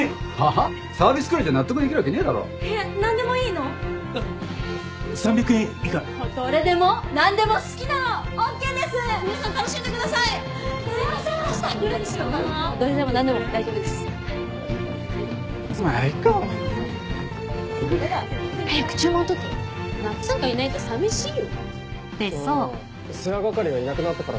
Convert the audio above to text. ああ世話係がいなくなったからか。